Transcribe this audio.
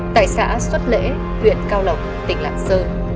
tại xã xuất lễ huyện cao lộc tỉnh lạng sơn